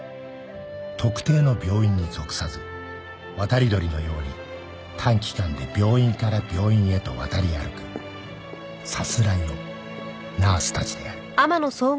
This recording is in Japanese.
特定の病院に属さず渡り鳥のように短期間で病院から病院へと渡り歩くさすらいのナースたちである